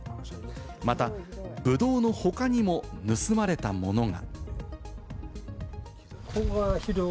また、ブドウの他にも、盗まれたものが。